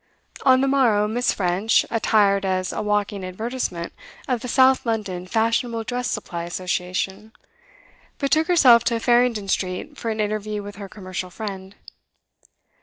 On the morrow, Miss. French, attired as a walking advertisement of the South London Fashionable Dress Supply Association, betook herself to Farringdon Street for an interview with her commercial friend.